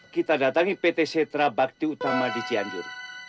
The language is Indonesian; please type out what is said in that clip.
kita datangi pt setra bakti utama di cianjur